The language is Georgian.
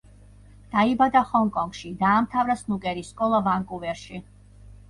დაიბადა ჰონგ-კონგში, დაამთავრა სნუკერის სკოლა ვანკუვერში.